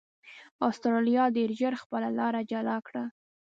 اسټرالیا ډېر ژر خپله لار جلا کړه.